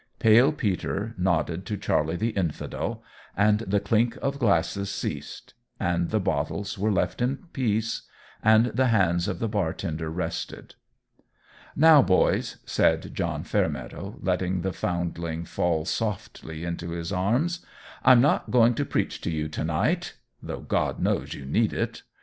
Pale Peter nodded to Charlie the Infidel; and the clink of glasses ceased and the bottles were left in peace and the hands of the bartender rested. "Now, boys," said John Fairmeadow, letting the foundling fall softly into his arms, "I'm not going to preach to you to night, though God knows you need it!